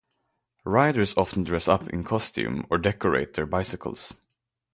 Riders often dress up in costume or decorate their bicycles.